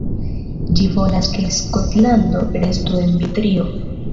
Ĝi volas ke Skotlando restu en Britio.